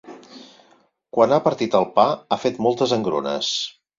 Quan ha partit el pa ha fet moltes engrunes.